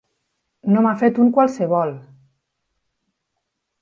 No m'ha fet un qualsevol!